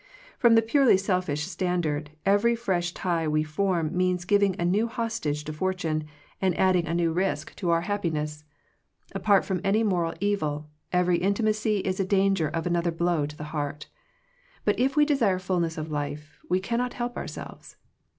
From the purely selfish standard, every fresh tie we form means giving a new hostage to fortune, and adding a new 90 Digitized by VjOOQIC THE CHOICE OF FRIENDSHIP risk to our happiness. Apart from any moral evil, every intimacy is a danger of another blow to the heart. But if we desire fullness of life, we cannot help ourselves.